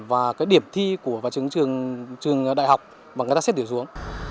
và cái điểm thi của trường đại học mà người ta xét điểm xuống